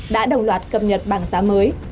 đã đồng loạt cập nhật bảng giá mới